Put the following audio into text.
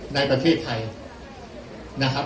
ในประเทศไทยนะครับ